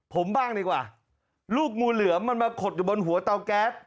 ผมบ้างดีกว่าลูกงูเหลือมมันมาขดอยู่บนหัวเตาแก๊ส